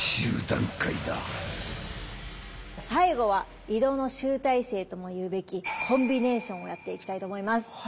最後は移動の集大成ともいうべきコンビネーションをやっていきたいと思います。